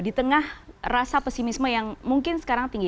di tengah rasa pesimisme yang mungkin sekarang tinggi